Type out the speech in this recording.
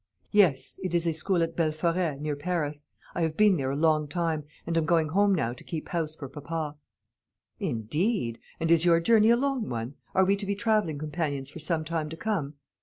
"Yes, it is a school at Belforêt, near Paris. I have been there a long time, and am going home now to keep house for papa." "Indeed! And is your journey a long one? Are we to be travelling companions for some time to come?"